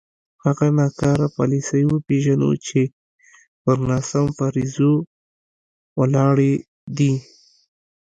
هغه ناکاره پالیسۍ وپېژنو چې پر ناسم فرضیو ولاړې دي.